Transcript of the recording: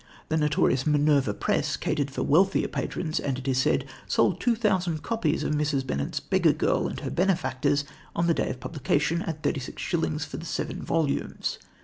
" The notorious Minerva Press catered for wealthier patrons, and, it is said, sold two thousand copies of Mrs. Bennett's Beggar Girl and her Benefactors on the day of publication, at thirty six shillings for the seven volumes.